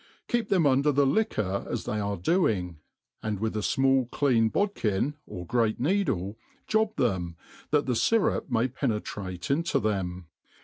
Keep them un der the liqubr as they arc doing, and with a fmall clean bod kin, of great needle, job them, that the fyrup may penetrate into them.